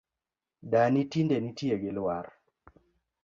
Dani tinde nitie gi lwar